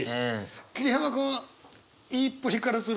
桐山君は言いっぷりからすると経験あるね。